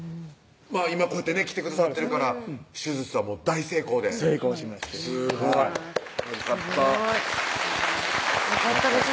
今こうやってね来てくださってるから手術は大成功で成功しましてすごいよかったよかったです